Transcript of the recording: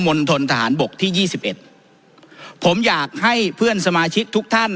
ณฑนทหารบกที่ยี่สิบเอ็ดผมอยากให้เพื่อนสมาชิกทุกท่าน